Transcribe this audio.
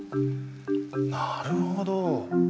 なるほど。